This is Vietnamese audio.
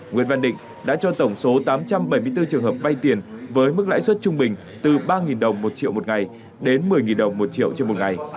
nguyễn văn định đã cho tổng số tám trăm bảy mươi bốn trường hợp vay tiền với mức lãi suất trung bình từ ba đồng một triệu một ngày đến một mươi đồng một triệu trên một ngày